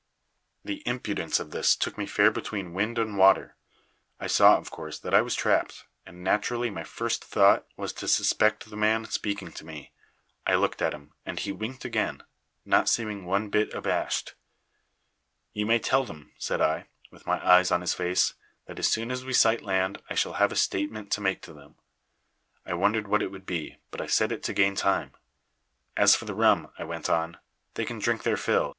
"The impudence of this took me fair between wind and water. I saw, of course, that I was trapped, and naturally my first thought was to suspect the man speaking to me. I looked at him, and he winked again, not seeming one bit abashed. "'You may tell them,' said I, with my eyes on his face, 'that as soon as we sight land I shall have a statement to make to them.' I wondered what it would be; but I said it to gain time. 'As for the rum,' I went on, 'they can drink their fill.